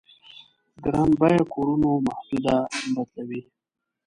ګران بيه کورونو محدوده بدلوي.